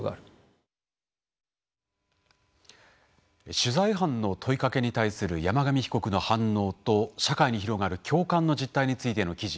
取材班の問いかけに対する山上被告の反応と社会に広がる共感の実態についての記事。